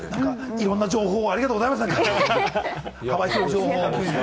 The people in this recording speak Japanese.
いろんな情報ありがとうございます。